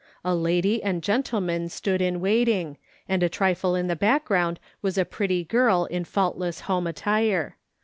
A lady and gentleman stood in waiting, and a trifle in the back ground was a pretty girl in faultless home attire.